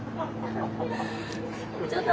ちょっと！